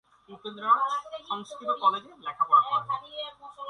উপেন্দ্রনাথ সংস্কৃত কলেজে লেখাপড়া করেন।